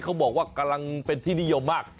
เขาบอกว่ากำลังเป็นที่นิยมมาก